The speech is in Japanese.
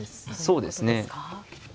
そうですね。